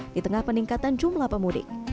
di tengah peningkatan jumlah pemudik